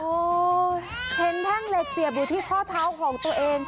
โอ้โหเห็นแท่งเหล็กเสียบอยู่ที่ข้อเท้าของตัวเอง